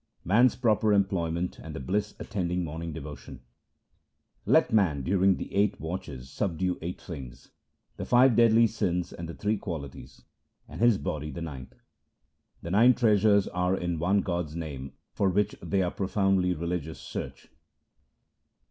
Man's proper employment and the bliss attending morning devotion :— Let man during the eight watches subdue eight things — the five deadly sins and the three qualities — and his body the ninth. The nine treasures are in the One God's name for which they who are profoundly religious search.